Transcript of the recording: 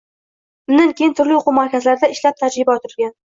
Undan keyin turli o‘quv markazlarida ishlab, tajriba orttirgan.